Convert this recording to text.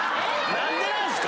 ⁉何でなんすか！